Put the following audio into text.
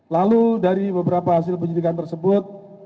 lalu dari beberapa hasil penyidikan tersebut